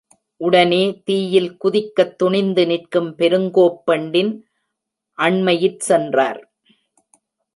உடனே, தீயில் குதிக்கத் துணிந்து நிற்கும் பெருங்கோப் பெண்டின் அண்மையிற் சென்றார்.